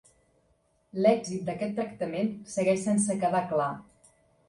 L'èxit d'aquest tractament segueix sense quedar clar.